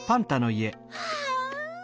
はあ。